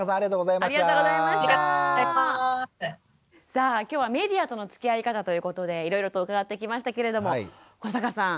さあ今日は「メディアとのつきあい方」ということでいろいろと伺ってきましたけれども古坂さん